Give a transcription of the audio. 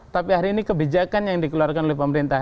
tapi hari ini kebijakan yang dikeluarkan oleh pemerintah